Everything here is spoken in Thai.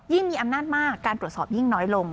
มีอำนาจมากการตรวจสอบยิ่งน้อยลง